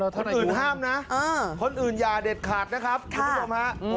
คนอื่นห้ามนะคนอื่นอย่าเด็ดขาดนะครับคุณผู้ชมฮะ